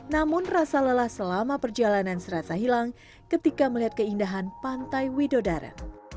namun rasa lelah selama perjalanan serasa hilang ketika melihat keindahan pantai widodare